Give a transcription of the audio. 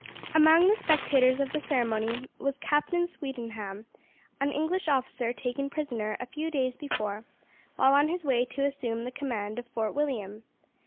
Among the spectators of the ceremony was Captain Swetenham, an English officer taken prisoner a few days before while on his way to assume the command of Fort William.